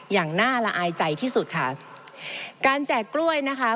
อย่างน่าละอายใจที่สุดค่ะการแจกกล้วยนะคะ